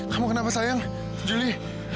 kamu kenapa sayang juli